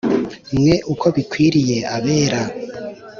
Mwe uko bikwiriye abera